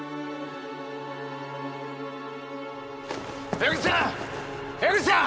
江口さん江口さん！